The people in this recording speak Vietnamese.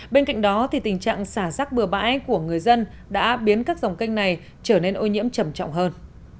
bên cạnh đó tình trạng xả rác bừa bãi của người dân đã biến các dòng kênh này trở nên ô nhiễm trầm trọng hơn